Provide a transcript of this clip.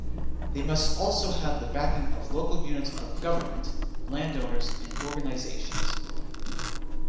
They must also have the backing of local units of government, landowners and organizations.